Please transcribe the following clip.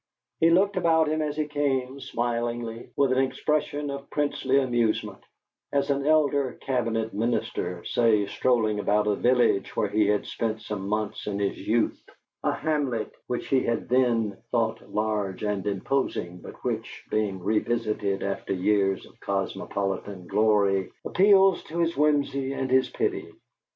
He looked about him as he came, smilingly, with an expression of princely amusement as an elderly cabinet minister, say, strolling about a village where he had spent some months in his youth, a hamlet which he had then thought large and imposing, but which, being revisited after years of cosmopolitan glory, appeals to his whimsy and his pity.